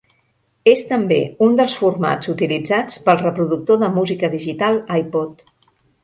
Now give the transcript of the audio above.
És també un dels formats utilitzats pel reproductor de música digital iPod.